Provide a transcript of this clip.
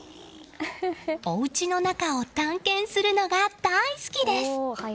おうちの中を探検するのが大好きです！